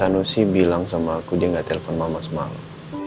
dan pasanmu si bilang sama aku dia gak telpon mama semalam